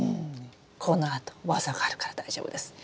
このあと技があるから大丈夫です。